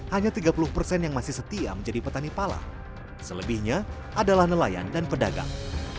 hanya tiga puluh persen yang masih setia menjadi petani pala selebihnya adalah nelayan dan pedagang